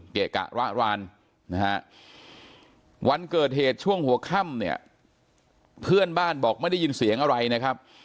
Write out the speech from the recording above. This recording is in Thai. เกะกะระรานนะฮะวันเกิดเหตุช่วงหัวค่ำเนี่ยเพื่อนบ้านบอกไม่ได้ยินเสียงอะไรนะครับ